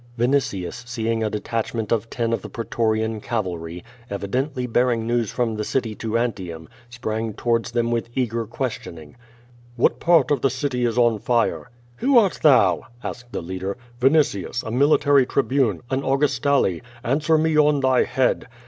Vinitius seeing a detachment of ten of the pretorian cav 3o8 Q^O VADIS. airy, evidently bearing news from the city to Antium, sprang towards them with eager questioning. "What part of the city is on fire?'' '^Who art thou?" asked the leader. "Vinitius, a military Tribune; an Augustale. Answer me on thy head."